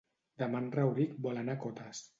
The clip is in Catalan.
Demà en Rauric vol anar a Cotes.